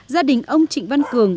gia đình ông trịnh văn cường